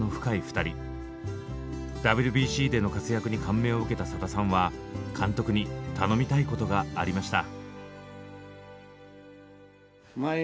ＷＢＣでの活躍に感銘を受けたさださんは監督に頼みたいことがありました。